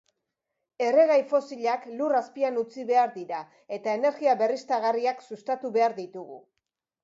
Erregai fosilak lur azpian utzi behar dira eta energia berriztagarriak sustatu behar ditugu.